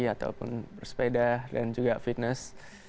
ataupun bersepeda dan juga fitness